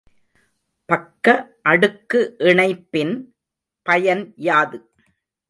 பக்க அடுக்கு இணைப்பின் பயன் யாது?